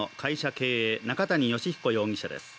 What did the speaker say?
経営中谷順彦容疑者です。